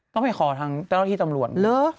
ต้องไปขอทางต้องที่ตำรวจ